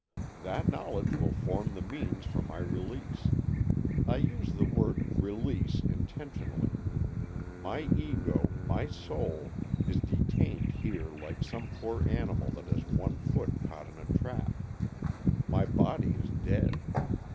" That knowledge will form the means for my release. I use the word ' release ' in tentionally. My Ego, my soul, is detained here like some poor animal that has one foot caught in a trap. My body is dead.